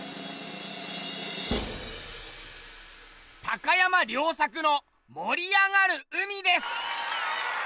高山良策の「盛りあがる海」です。